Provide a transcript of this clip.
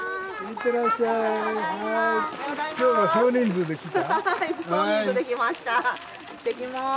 いってきます。